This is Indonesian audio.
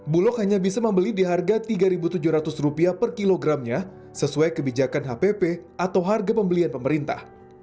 bulog hanya bisa membeli di harga rp tiga tujuh ratus per kilogramnya sesuai kebijakan hpp atau harga pembelian pemerintah